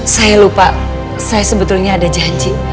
saya lupa saya sebetulnya ada janji